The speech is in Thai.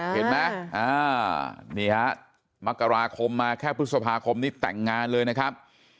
เห็นไหมนี่ฮะมกราคมมาแค่พฤษภาคมนี้แต่งงานเลยนะครับ